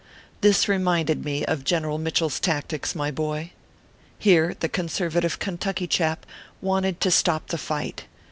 This reminded me of General Mitchell s tactics, my boy. Here the conservative Kentucky chap wanted to stop the fight.